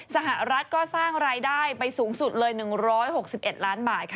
สหรัฐก็สร้างรายได้ไปสูงสุดเลย๑๖๑ล้านบาทค่ะ